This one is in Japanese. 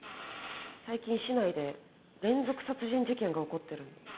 最近市内で連続殺人事件が起こってるの。